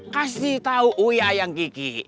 kasih tahu gue ayang kiki